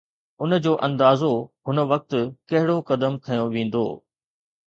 ان جو اندازو هن وقت ڪھڙو قدم کنيو ويندو.